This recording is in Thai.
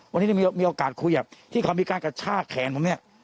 วันนี้มีโอกาสคุยที่เขามีการกระช่าแขนผม